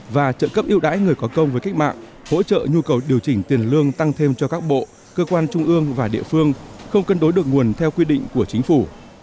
và trợ cấp yêu đãi người có công với cách mạng hỗ trợ nhu cầu điều chỉnh tiền lương tăng thêm cho các bộ cơ quan trung ương và địa phương không cân đối được nguồn theo quy định của chính phủ